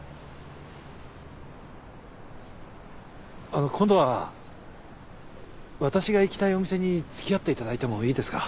あのう今度は私が行きたいお店に付き合っていただいてもいいですか？